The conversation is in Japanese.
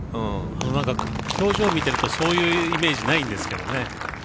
表情見てると、そういうイメージないんですけどね。